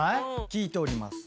聞いております。